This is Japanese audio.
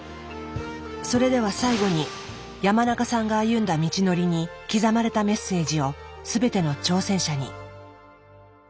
それでは最後に山中さんが歩んだ道のりに刻まれたメッセージを全ての挑戦者に。